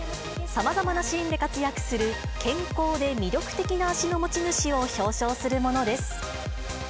さまざまなシーンで活躍する、健康で魅力的な脚の持ち主を表彰するものです。